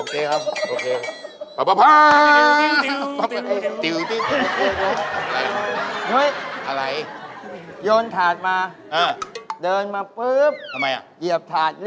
สบายแล้ว